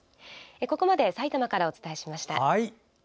ここまで埼玉からお伝えしました。